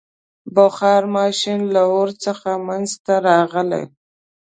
• بخار ماشین له اور څخه منځته راغی.